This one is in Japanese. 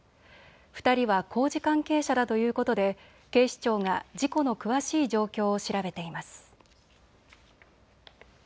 ２人は工事関係者だということで警視庁が事故の詳しい状況を調べています。